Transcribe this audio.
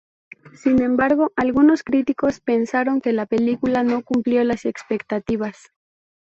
Sin embargo, algunos críticos pensaron que la película no cumplió las expectativas.